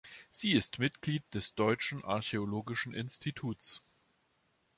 Sie ist Mitglied des Deutschen Archäologischen Instituts.